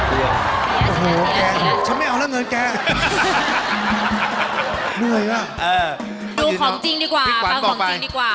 ดูของจริงดีกว่าคือของจริงดีกว่า